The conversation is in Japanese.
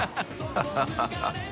ハハハ